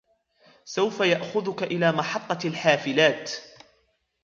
سوف يأخذك إلى محطة الحافلات.